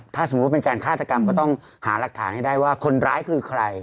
ถ้าสมมุติว่าเป็นการฆาตกรรมก็ต้องหารักฐานให้ได้ว่าคนร้ายคือใคร